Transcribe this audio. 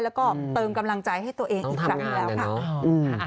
แล้วก็เติมกำลังใจให้ตัวเองอีกครั้งแล้วค่ะ